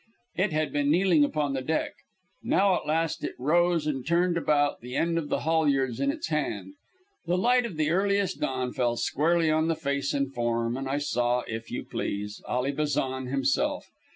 It had been kneeling upon the deck. Now, at last, it rose and turned about, the end of the halyards in its hand. The light of the earliest dawn fell squarely on the face and form, and I saw, if you please, Ally Bazan himself.